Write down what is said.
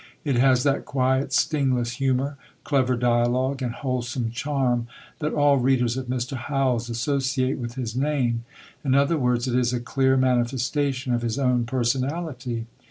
It has that quiet stingless humour, clever dialogue, and wholesome charm, that all readers of Mr. Howells associate with his name. In other words, it is a clear manifestation of his own personality.